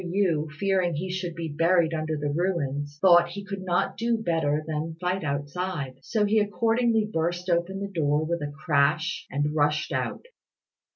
Yü, fearing he should be buried under the ruins, thought he could not do better than fight outside; so he accordingly burst open the door with a crash and rushed out.